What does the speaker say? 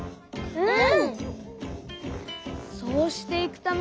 うん！